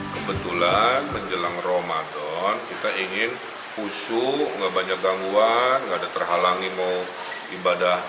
kebetulan menjelang ramadan kita ingin husu nggak banyak gangguan gak ada terhalangi mau ibadah